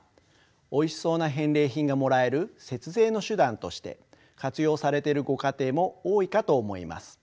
おいしそうな返礼品がもらえる節税の手段として活用されているご家庭も多いかと思います。